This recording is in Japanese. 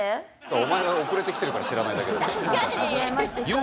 お前が遅れて来てるから知らないだけだよ。